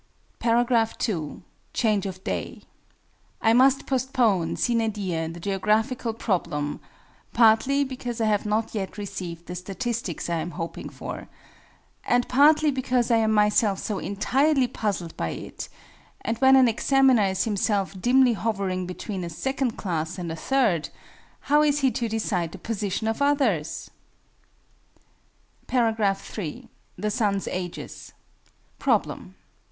§ 2. CHANGE OF DAY. I must postpone, sine die, the geographical problem partly because I have not yet received the statistics I am hoping for, and partly because I am myself so entirely puzzled by it; and when an examiner is himself dimly hovering between a second class and a third how is he to decide the position of others? § 3. THE SONS' AGES. _Problem.